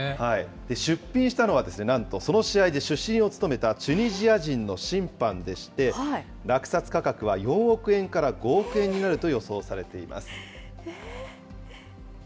出品したのはなんと、その試合で主審を務めたチュニジア人の審判でして、落札価格は４億円から５億円になると予想されています。